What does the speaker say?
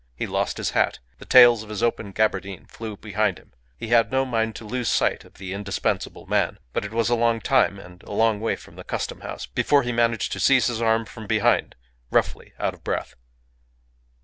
He lost his hat; the tails of his open gaberdine flew behind him. He had no mind to lose sight of the indispensable man. But it was a long time, and a long way from the Custom House, before he managed to seize his arm from behind, roughly, out of breath.